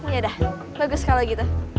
yaudah bagus kalo gitu